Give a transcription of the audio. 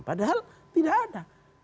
padahal tidak ada